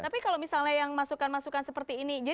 tapi kalau misalnya yang masukkan masukkan seperti ini